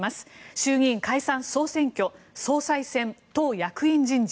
衆議院解散・総選挙総裁選、党役員人事。